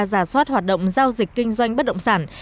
giả soát hoạt động giao dịch kinh doanh bất động sản